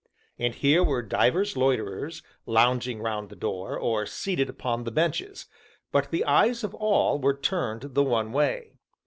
And here were divers loiterers, lounging round the door, or seated upon the benches; but the eyes of all were turned the one way.